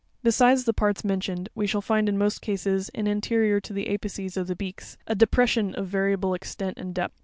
Besides the parts mentioned, we shall find in most cases, an terior to the apices of the beaks, a depression of variable extent and depth.